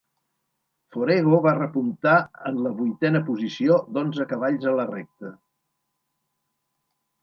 Forego va repuntar en la vuitena posició d'onze cavalls a la recta.